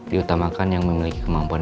diutamakan yang memiliki kemampuan